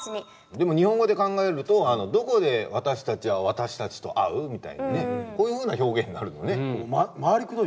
でも日本語で考えるとどこで私たちは私たちと会う？みたいなねこういうふうな表現になるのね。